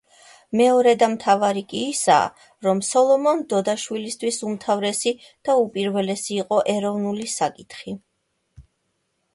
მეორე და მთავარი კი ისაა, რომ სოლომონ დოდაშვილისთვის უმთავრესი და უპირველესი იყო ეროვნული საკითხი.